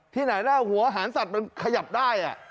ที่ไหนแล้วหัวหันศักดิ์มันขยับได้